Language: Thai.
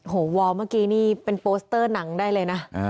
วอลเมื่อกี้นี่เป็นโปสเตอร์หนังได้เลยนะ